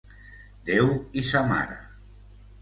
Déu i sa mare.